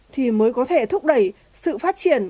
thì mới có thể thúc đẩy sự phát triển